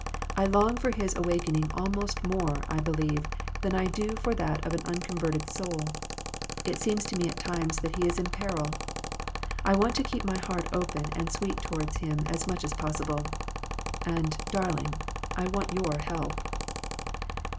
I long for his awakening almost more, I believe, than I do for that of an unconverted soul. It seems to me at times that he is in peril. I want to keep my heart open and sweet toward him as much as possible. And, dar ling, I want your help."